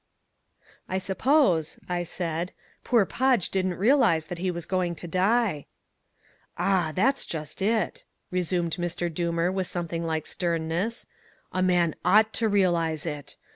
"I suppose," I said, "poor Podge didn't realise that he was going to die." "Ah, that's just it," resumed Mr. Doomer with something like sternness, "a man OUGHT to realise it.